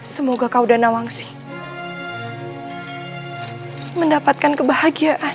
semoga kau dan awangsi mendapatkan kebahagiaan